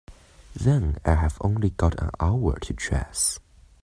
Then I've only got an hour to dress.